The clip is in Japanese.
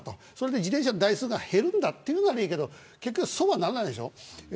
自転車の台数が減るならいいけど結局、そうはならないでしょ。